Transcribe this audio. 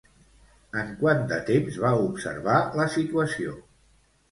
En quant de temps va observar la situació?